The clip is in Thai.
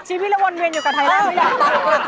พี่เรียนโรงเรียนอยู่กับไทรัศน์ไม่อยากไป